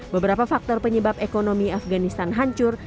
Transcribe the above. beberapa faktor penyebab ekonomi afganistan hancur